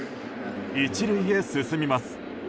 １塁へ進みます。